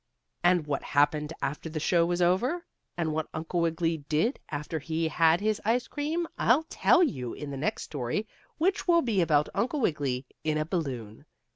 And what happened after the show was over, and what Uncle Wiggily did after he had his ice cream, I'll tell you in the next story which will be about Uncle Wiggily in a balloon.